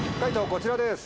こちらです。